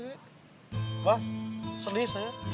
apa sedih saya